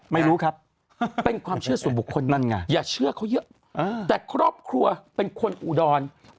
ไม่รู้ครับเป็นความเชื่อส่วนบุคคลนั่นไงอย่าเชื่อเขาเยอะแต่ครอบครัวเป็นคนอุดร